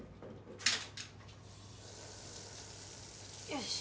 よし。